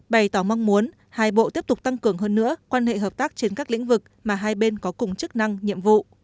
bày tỏ mong muốn hai bộ tiếp tục tăng cường hơn nữa quan hệ hợp tác trên các lĩnh vực mà hai bên có cùng chức năng nhiệm vụ